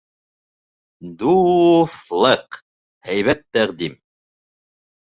— Ду-у-ҫлык!.. һәйбәт тәҡдим...